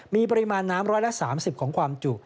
มีปริมาณน้ำ๑๓๐ของความจุ